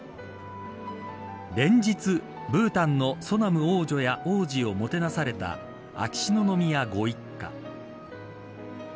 連日、ブータンのソナム王女や王子をもてなされた秋篠宮ご一家。